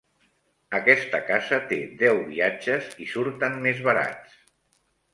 Aquesta casa té deu viatges i surten més barats.